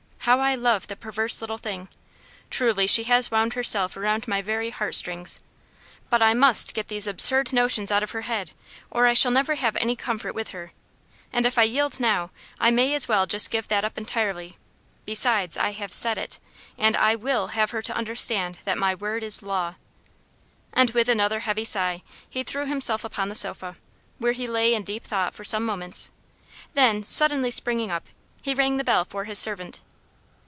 How I love the perverse little thing! Truly she has wound herself around my very heart strings. But I must get these absurd notions out of her head, or I shall never have any comfort with her; and if I yield now, I may as well just give that up entirely; besides, I have said it; and I will have her to understand that my word is law." And with another heavy sigh he threw himself upon the sofa, where he lay in deep thought for some moments; then, suddenly springing up, he rang the bell for his servant.